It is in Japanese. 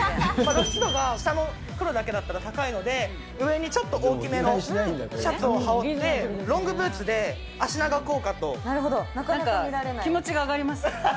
露出度が下の黒だけだったら高いので、上にちょっと大きめのシャツを羽織って、ロングブーツなんか気持ちが上がります。